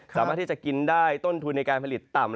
สามารถที่จะกินได้ต้นทุนในการผลิตต่ำ